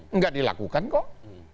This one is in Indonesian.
enggak dilakukan kok